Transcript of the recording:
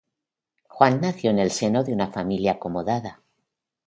Juan nació en el seno de una familia acomodada.